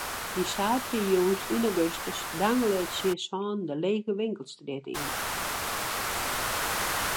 Dy saterdeitejûns yn augustus dangele er tsjin sânen de lege winkelstrjitte yn.